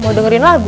mau dengerin lagu